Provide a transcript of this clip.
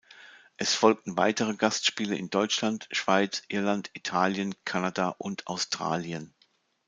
Es folgten weitere Gastspiele in Deutschland, Schweiz, Irland, Italien, Kanada und Australien.